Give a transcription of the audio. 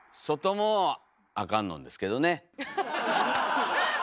外もあかんのんですけどね。